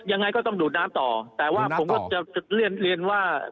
ยังไงก็ต้องดูดน้ำต่อแต่ว่าผมก็จะเรียนเรียนว่า